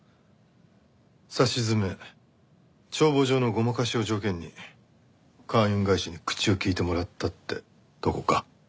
さしずめ帳簿上のごまかしを条件に海運会社に口を利いてもらったってとこか。